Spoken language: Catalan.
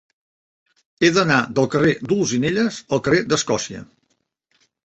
He d'anar del carrer d'Olzinelles al carrer d'Escòcia.